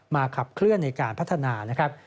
ขับเคลื่อนในการพัฒนานะครับ